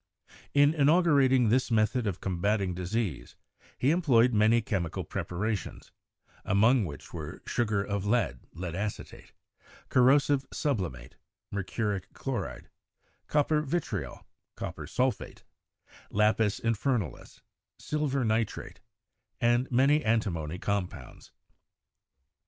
In inaugurating this method of combating disease, he employed many chemical preparations, among which were sugar of lead (lead acetate), corrosive subli mate (mercuric chloride), copper vitriol (copper sul phate), lapis infernalis (silver nitrate), and many anti mony compounds.